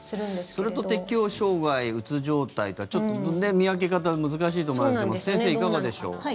それと適応障害うつ状態かちょっと見分け方は難しいと思いますけど先生、いかがでしょう？